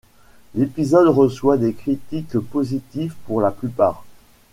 L'épisode reçoit des critiques positives pour la plupart.